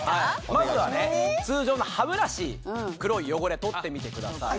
まずは通常の歯ブラシ黒い汚れ取ってみてください。